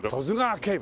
警部！